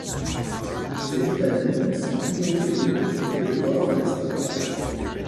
Ces vitamines sont hydrosolubles et le corps ne les stocke pas.